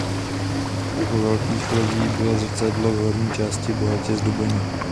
U velkých lodí bylo zrcadlo v horní části bohatě zdobeno.